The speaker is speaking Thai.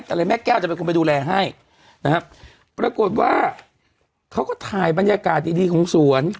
อะไรแม่แก้วจะเป็นคนไปดูแลให้นะครับปรากฏว่าเขาก็ถ่ายบรรยากาศดีดีของสวน